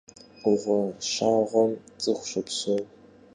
'Uğue şağeum ts'ıxu şopseu.